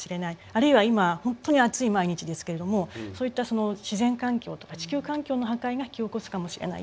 あるいは今本当に暑い毎日ですけれどもそういった自然環境とか地球環境の破壊が引き起こすかもしれない。